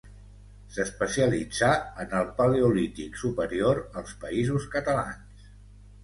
S'especialitzà en el paleolític superior als Països Catalans.